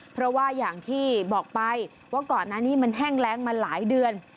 เพราะว่าอย่างที่บอกไปว่าก่อนหน้านี้มันแห้งแรงมาหลายเดือน